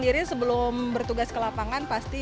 saya sendiri sebelum bertugas ke lapangan pasti cinta saya